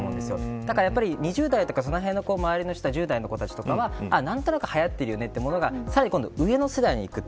だから、２０代とかその辺の周りの人は１０代の子たちとかは何となくはやってるよねというものがさらに上の世代にいく。